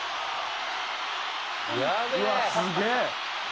「うわっすげえ！」